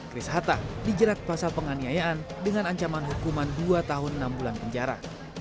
chris hatta dijerat pasal penganiayaan dengan ancaman hukuman dua tahun enam bulan penjara